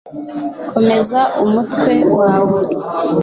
komeza umutwe wawe